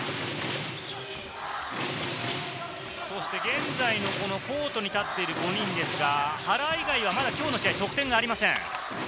現在のコートに立っている５人ですが、原以外はまだきょうの試合得点がありません。